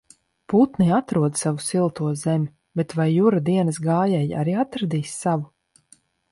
Putni atrod savu silto zemi, bet vai Jura dienas gājēji arī atradīs savu?